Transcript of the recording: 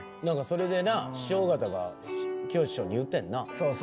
何かそれでな師匠方がきよし師匠に言ってんな。